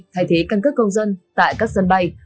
thay thế căn cước công dân tại các sân bay